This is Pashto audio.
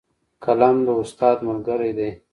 قلم د استاد ملګری دی